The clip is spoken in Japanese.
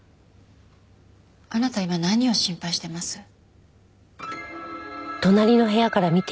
あなた今何を心配してます？